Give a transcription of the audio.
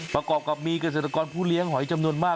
ประกอบกับมีเกษตรกรผู้เลี้ยงหอยจำนวนมาก